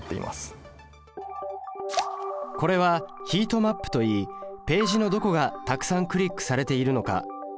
これはヒートマップといいページのどこがたくさんクリックされているのか